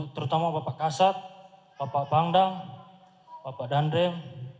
terutama bapak kasat bapak pangdang bapak dandim